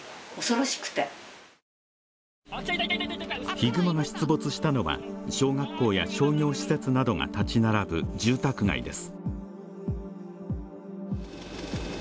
ヒグマが出没したのは小学校や商業施設などが立ち並ぶ住宅街です